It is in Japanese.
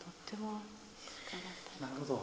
なるほど。